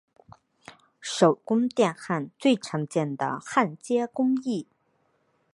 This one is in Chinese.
手工电弧焊最常见的焊接工艺。